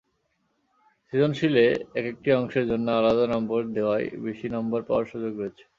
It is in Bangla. সৃজনশীলে একেকটি অংশের জন্য আলাদা নম্বর দেওয়ায় বেশি নম্বর পাওয়ার সুযোগ রয়েছে।